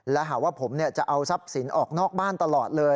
และหาว่าผมจะเอาทรัพย์สินออกนอกบ้านตลอดเลย